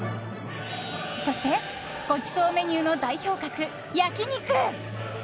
そして、ごちそうメニューの代表格、焼き肉。